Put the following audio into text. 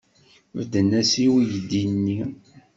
Bedden-as i uydi-nni?